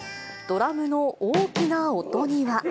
ドラムの大きな音には。